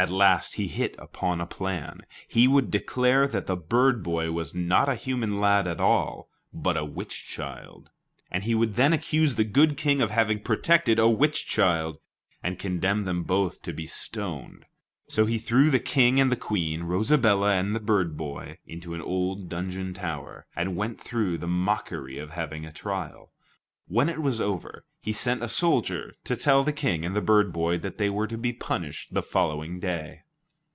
At last he hit upon a plan. He would declare that the bird boy was not a human lad at all, but a witch child; he would then accuse the good King of having protected a witch child, and condemn them both to be stoned. So he threw the King and the Queen, Rosabella and the bird boy, into an old dungeon tower, and went through the mockery of having a trial. When it was over, he sent a soldier to tell the King and the bird boy that they were to be punished the following day.